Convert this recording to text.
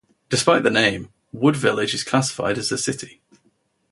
Despite the name, Wood Village is classified as a city.